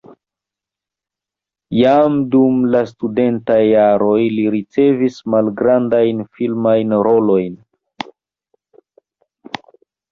Jam dum la studentaj jaroj li ricevis malgrandajn filmajn rolojn.